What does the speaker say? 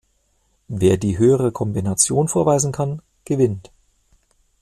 Wer die höhere Kombination vorweisen kann, gewinnt.